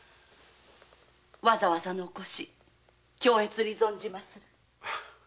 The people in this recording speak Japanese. わざわざのお越し恐悦に存じまする。